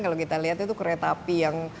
kalau kita lihat itu kereta api yang